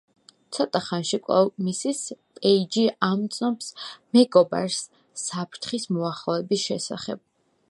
ცოტა ხანში კვლავ მისის პეიჯი ამცნობს მეგობარს საფრთხის მოახლოების შესახებ.